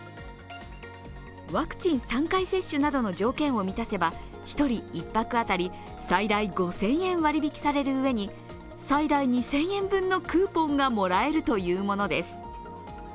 ワクチン３回接種などの条件を満たせば１人１泊当たり最大５０００円割引されるうえに最大２０００円分のクーポンがもらえるというものです。